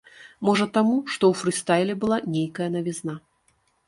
Можа таму, што ў фрыстайле была нейкая навізна.